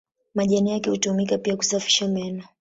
Majani yake hutumika pia kusafisha meno.